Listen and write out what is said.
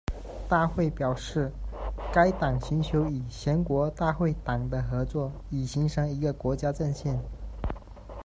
大会表示，该党寻求与全国大会党的合作，以形成一个国家阵线。